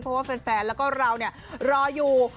เพราะว่าแฟนแล้วก็เรารออยู่